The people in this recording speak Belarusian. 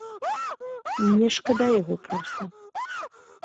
Мне шкада яго проста.